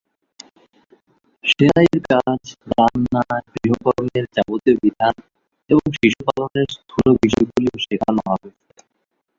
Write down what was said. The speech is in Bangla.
সেলাইয়ের কাজ, রান্না, গৃহকর্মের যাবতীয় বিধান এবং শিশুপালনের স্থূল বিষয়গুলিও শেখান হবে।